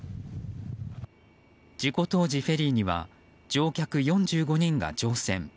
事故当時フェリーには乗客４５人が乗船。